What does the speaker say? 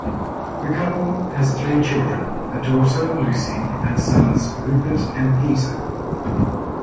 The couple has three children, a daughter Lucy and sons Rupert and Peter.